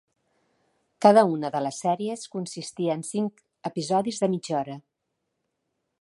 Cada una de les sèries consistia en cincs episodis de mitja hora.